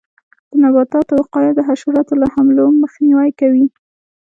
د نباتاتو وقایه د حشراتو له حملو مخنیوی کوي.